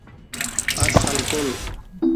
اس خلکُن